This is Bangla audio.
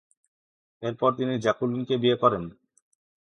এরপর তিনি জ্যাকুলিনকে বিয়ে করেন।